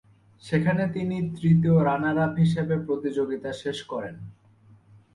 সেখানে তিনি তৃতীয় রানার আপ হিসাবে প্রতিযোগিতা শেষ করেন।